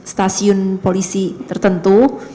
stasiun polisi tertentu